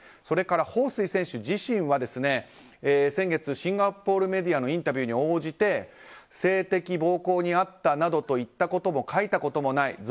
それからホウ・スイ選手自身は先月、シンガポールメディアのインタビューに応じて性的暴行にあったなどと言ったことも書いたこともない。